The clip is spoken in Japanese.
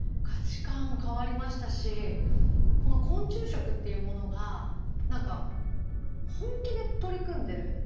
価値観変わりましたしこの昆虫食っていうものが何か本気で取り組んでる。